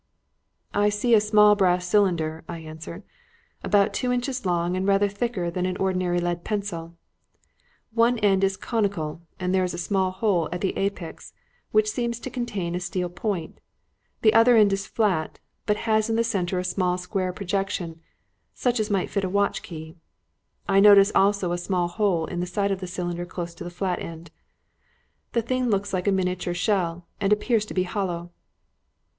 "I see a small brass cylinder," I answered, "about two inches long and rather thicker than an ordinary lead pencil. One end is conical, and there is a small hole at the apex which seems to contain a steel point; the other end is flat, but has in the centre a small square projection such as might fit a watch key. I notice also a small hole in the side of the cylinder close to the flat end. The thing looks like a miniature shell, and appears to be hollow."